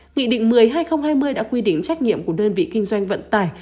nghị định một mươi hai nghìn hai mươi đã quy định trách nhiệm của đơn vị kinh doanh vận tải